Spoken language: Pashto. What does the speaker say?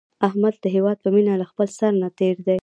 احمد د هیواد په مینه کې له خپل سر نه تېر دی.